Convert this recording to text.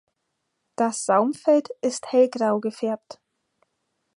Das Saumfeld ist hellgrau gefärbt.